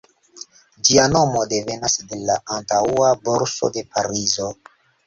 Ĝia nomo devenas de la antaŭa Borso de Parizo.